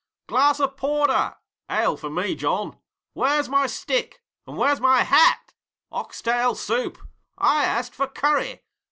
'Glass of porter!' 'Ale for me, John!' 'Where's my stick?' 'And where's my hat!' 'Oxtal soup!' 'I asked for curry!'